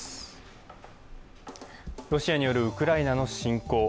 ロシアによるウクライナの侵攻。